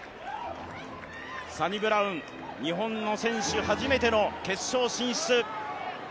サニブラウン、日本の選手初めての決勝進出。